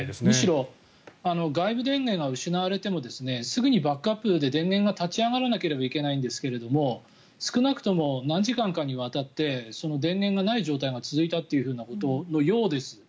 むしろ、外部電源が失われてもすぐにバックアップで電源が立ち上がらなければいけないんですけれど少なくとも何時間かにわたって電源がない状態が続いたようです